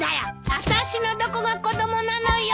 あたしのどこが子供なのよ！